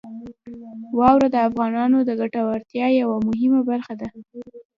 واوره د افغانانو د ګټورتیا یوه مهمه برخه ده.